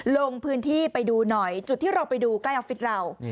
ลงพื้นที่ไปดูหน่อยจุดที่เราไปดูใกล้ออฟฟิศเรา